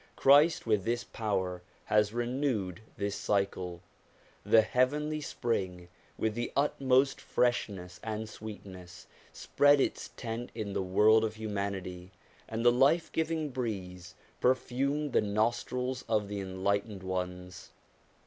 Christ with this power has renewed this cycle; the heavenly spring with the utmost freshness and sweetness spread its tent in the world of humanity, and the life giving breeze perfumed the nostrils of the enlightened ones.